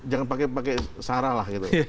jangan pakai saralah gitu